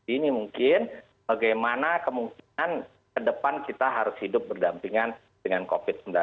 ini mungkin bagaimana kemungkinan ke depan kita harus hidup berdampingan dengan covid sembilan belas